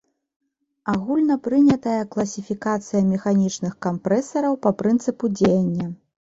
Агульнапрынятая класіфікацыя механічных кампрэсараў па прынцыпу дзеяння.